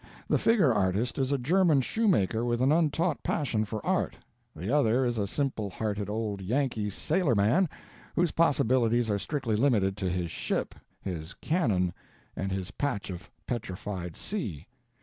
The figure artist is a German shoemaker with an untaught passion for art, the other is a simple hearted old Yankee sailor man whose possibilities are strictly limited to his ship, his cannon and his patch of petrified sea.